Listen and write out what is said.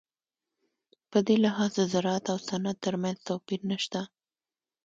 په دې لحاظ د زراعت او صنعت ترمنځ توپیر نشته.